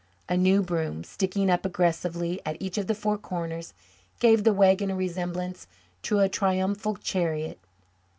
A new broom sticking up aggressively at each of the four corners gave the wagon a resemblance to a triumphal chariot.